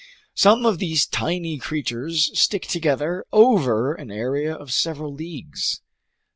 Some of these tiny creatures stick together over an area of several leagues."